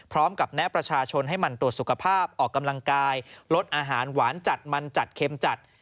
แนะประชาชนให้มันตรวจสุขภาพออกกำลังกายลดอาหารหวานจัดมันจัดเค็มจัด